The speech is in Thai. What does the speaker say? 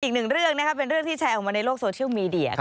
อีกหนึ่งเรื่องนะครับเป็นเรื่องที่แชร์ออกมาในโลกโซเชียลมีเดีย